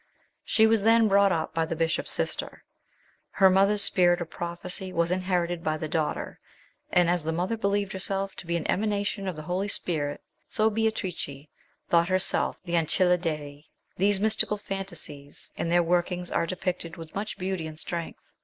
She was then brought up by the bishop's sister. Her mother's spirit of prophecy was inherited by the daughter; and as the mother believed herself to be an emanation of the Holy Spirit, so Beatrice thought herself the Ancilla Dei. These GOD W1X AND " VALPERGA." 153 mystical fancies and their working are depicted with much beauty and strength.